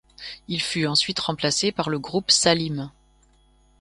Il fut ensuite remplacé par le groupe Salim.